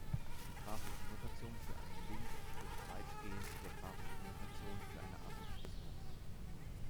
Die graphische Notation für einen Link entspricht weitgehend der graphischen Notation für eine Assoziation.